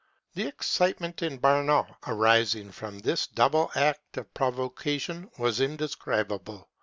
The excitement in Bernau arising from this double act of provocation was indes cribable.